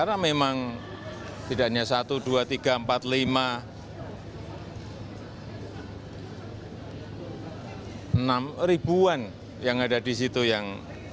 karena memang tidak hanya satu dua tiga empat lima enam ribuan yang ada di situ yang